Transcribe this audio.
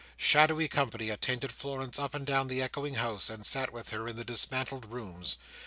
Shadowy company attended Florence up and down the echoing house, and sat with her in the dismantled rooms.